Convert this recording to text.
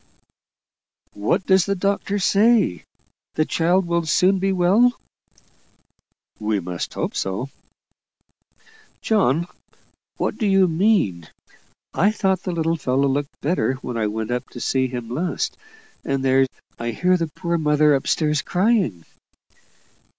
"What does the doctor say? The child will soon be well?" "We must hope so." "John, what do you mean? I thought the little fellow looked better when I went up to see him last. And there I hear the poor mother up stairs crying."